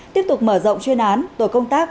tiếp tục mở rộng chuyên án tội công tác